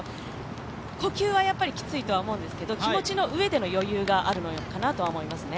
呼吸はきついとは思うんですけど気持ちのうえでの余裕があるのかなと思いますね。